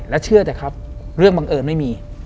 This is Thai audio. และเชื่อเถอะครับเรื่องบังเอิญไม่มี